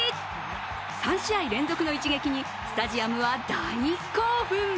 ３試合連続の一撃にスタジアムは大興奮。